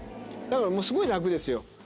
だからもうすごい楽ですよ